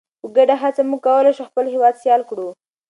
په ګډه هڅه موږ کولی شو خپل هیواد سیال کړو.